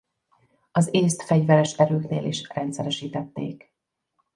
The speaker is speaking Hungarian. Az Észt Fegyveres Erőknél is rendszeresítették.